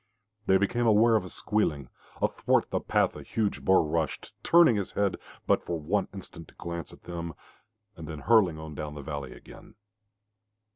They became aware of a squealing. Athwart the path a huge boar rushed, turning his head but for one instant to glance at them, and then hurling on down the valley again.